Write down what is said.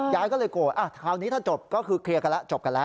ยายก็เลยโกรธคราวนี้ถ้าจบก็คือเคลียร์กันแล้วจบกันแล้ว